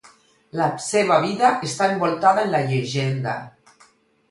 La seva vida està envoltada en la llegenda.